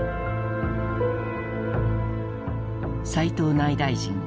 斎藤内大臣